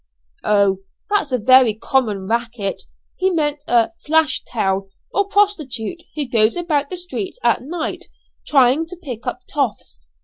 "O! that's a very common racket. He meant a 'flash tail,' or prostitute who goes about the streets at nights trying to pick up 'toffs.'